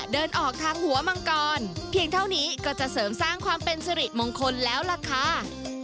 เดินออกทางหัวมังกรเพียงเท่านี้ก็จะเสริมสร้างความเป็นสิริมงคลแล้วล่ะค่ะ